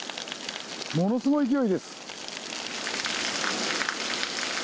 ものすごい勢いです。